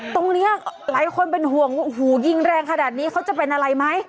ตรงนี้หลายคนเป็นห่วงว่าโอ้โหยิงแรงขนาดนี้เขาจะเป็นอะไรไหม